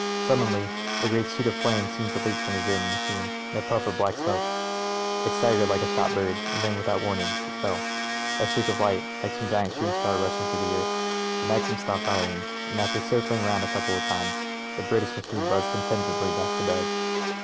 Suddenly a great sheet of flame seemed to leap from the German machine and a puff of black smoke : it staggered like a shot bird and then, without warning, it fell — a streak of light, like some giant shooting star rushing to the earth. The Maxim stopped firing, and after circling round a couple of times the British machine buzzed contentedly back to bed.